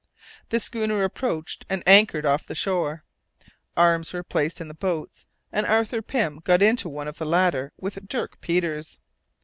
The schooner approached and anchored off the shore. Arms were placed in the boats, and Arthur Pym got into one of the latter with Dirk Peters.